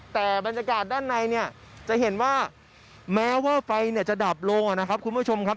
แต่บรรยากาศด้านในเนี่ยจะเห็นว่าแม้ว่าไฟเนี่ยจะดับลงนะครับคุณผู้ชมครับ